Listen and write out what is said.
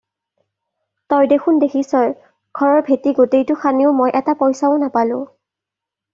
তই দেখোন দেখিছই ঘৰৰ তেটি গোটেইটো খানিও মই এটা পইচাও নাপালোঁ।